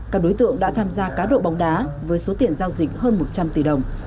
các đối tượng đã tham gia cá độ bóng đá với số tiền giao dịch hơn một trăm linh tỷ đồng